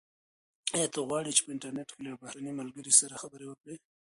ایا ته غواړې چي په انټرنیټ کي له یو بهرني ملګري سره خبرې وکړې؟